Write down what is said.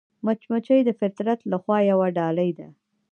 مچمچۍ د فطرت له خوا یوه ډالۍ ده